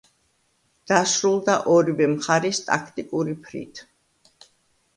დასრულდა ორივე მხარის ტაქტიკური ფრით.